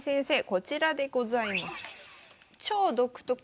こちらでございます。